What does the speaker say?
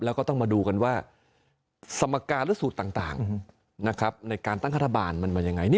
แล้วก็ต้องมาดูกันว่าสมรรคาและสูตรต่างนะครับในการตั้งคุณฐะบาลมันมียังไง